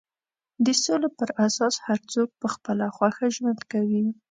د سولې پر اساس هر څوک په خپله خوښه ژوند کوي.